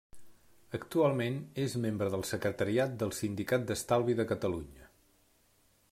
Actualment és membre del secretariat del Sindicat d'Estalvi de Catalunya.